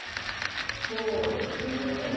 そうですねぇ。